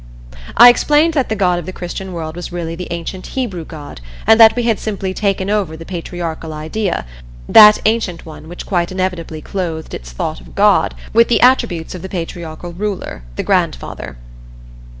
I explained that the God of the Christian world was really the ancient Hebrew God, and that we had simply taken over the patriarchal idea that ancient one which quite inevitably clothed its thought of God with the attributes of the patriarchal ruler, the grandfather.